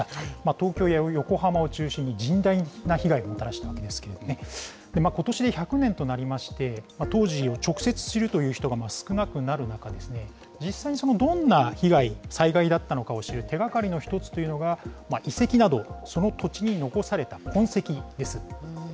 東京や横浜を中心に、甚大な被害をもたらしたわけですけれども、ことしで１００年となりまして、当時を直接知るという人が少なくなる中、実際にどんな被害、災害だったのかを知る手がかりの一つというのが、遺跡などその土地に残された痕跡です。